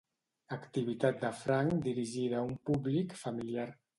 Activitat de franc dirigida a un públic familiar.